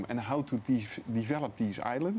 jika tidak ada pemeriksaan